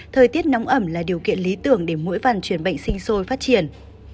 thời tiết nóng ẩm là điều kiện lý tưởng để mỗi vần chuyển bệnh sinh sôi phát triển